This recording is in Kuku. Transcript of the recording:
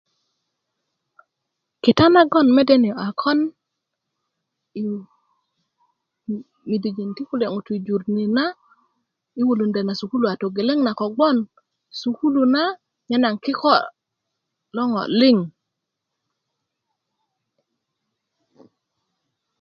kita nagon mede niyo' a kokon yi midijin ti kule' ŋutui yi jur ni na yi wulundö na sukulu a togeleŋ na kogbon sukulu na nye nagon a kiko' lo ŋo' liŋ